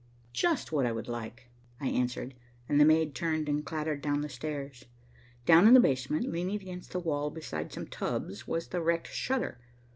"Just what I would like," I answered, and the maid turned and clattered down the stairs. Down in the basement, leaning against the wall beside some tubs, was the wrecked shutter.